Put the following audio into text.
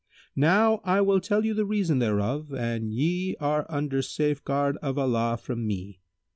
Now I will tell you the reason thereof and ye are under safeguard of Allah from me.